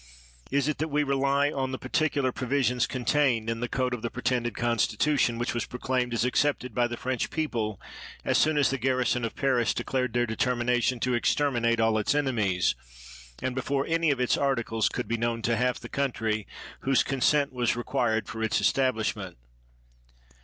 Is it that we rely on the par ticular provisions contained in the code of the pretended constitution, which was proclaimed as accepted by the French people as soon as the garrison of Paris declared their determination to exterminate all its enemies, and before any of its articles could be known to half the country whose consent was required for its establish ment?